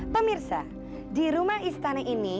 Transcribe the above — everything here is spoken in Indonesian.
pemirsa di rumah istana ini